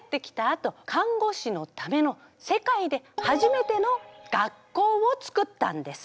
あと看護師のための世界で初めての学校をつくったんです。